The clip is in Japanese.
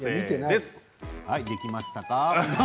できましたか？